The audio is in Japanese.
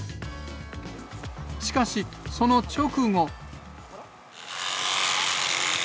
しかし、その直後。